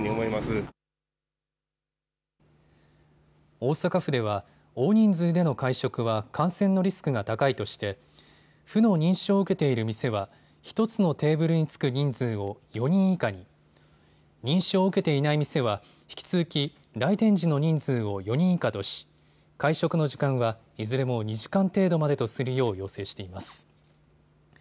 大阪府では大人数での会食は感染のリスクが高いとして府の認証を受けている店は１つのテーブルに着く人数を４人以下に、認証を受けていない店は引き続き、来店時の人数を４人以下とし会食の時間はいずれも２時間程度までとするよう要請しています。